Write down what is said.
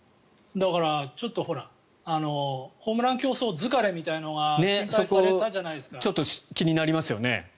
だからちょっとホームラン競争疲れみたいなのがそこ、気になりますよね。